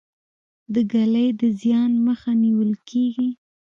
د ږلۍ د زیان مخه نیول کیږي.